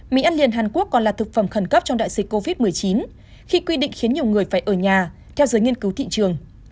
mỹ ăn liền hàn quốc còn là thực phẩm khẩn cấp trong đại dịch covid một mươi chín khi quy định khiến nhiều người phải ở nhà theo giới nghiên cứu thị trường